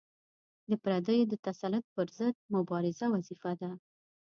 د پردیو د تسلط پر ضد مبارزه وظیفه ده.